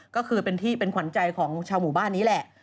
ก็คือเป็นที่เป็นขวัญใจของชาวหมู่บ้านนี้แหละ